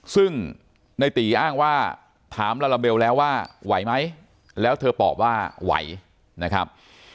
ซึ่งในตีอ้างว่าถามลาลาเบลแล้วว่าไหวไหมแล้วเธอตอบว่าไหวนะครับ